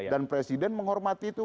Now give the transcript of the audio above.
dan presiden menghormati itu